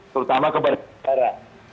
terutama kepada negara